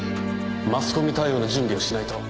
マスコミ対応の準備をしないと。